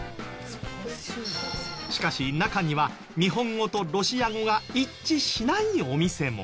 しかし中には日本語とロシア語が一致しないお店も。